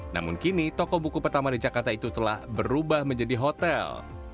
namun kini toko buku pertama di jakarta itu telah berubah menjadi hotel